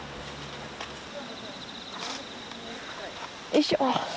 よいしょ。